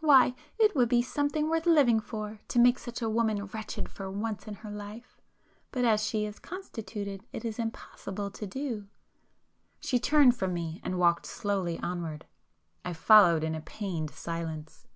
Why it would be something worth living for, to make such a woman wretched for once in her life!—but, as she is constituted, it is impossible to do it." She turned from me and walked slowly onward,—I following in a pained silence.